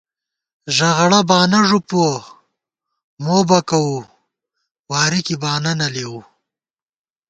ݫغڑہ بانہ ݫُپُوَہ مو بکَوُو، واری کی بانہ نہ لېوُو